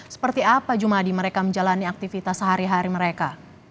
seperti apa jumadi mereka menjalani aktivitas sehari hari mereka